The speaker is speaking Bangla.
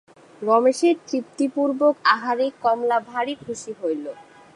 রমেশের তৃপ্তিপূর্বক আহারে কমলা ভারি খুশি হইল।